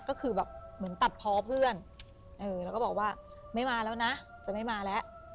ก็คือแบบเหมือนตัดพอเพื่อนแล้วก็บอกว่าไม่มาแล้วนะจะไม่มาแล้ว